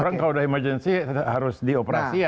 orang kalau sudah emergency harus dioperasi ya